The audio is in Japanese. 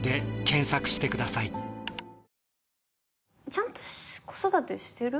ちゃんと子育てしてる？